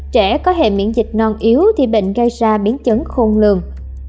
trẻ có hệ miễn dịch non yếu thì bệnh gây ra biến chứng khôn lường